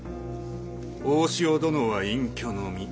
大塩殿は隠居の身。